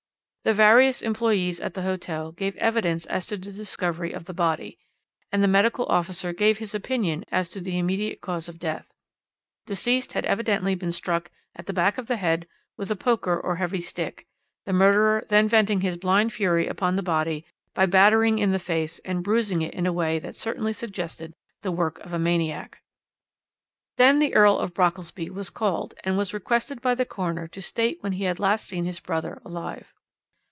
"The various employés at the hotel gave evidence as to the discovery of the body, and the medical officer gave his opinion as to the immediate cause of death. Deceased had evidently been struck at the back of the head with a poker or heavy stick, the murderer then venting his blind fury upon the body by battering in the face and bruising it in a way that certainly suggested the work of a maniac. "Then the Earl of Brockelsby was called, and was requested by the coroner to state when he had last seen his brother alive.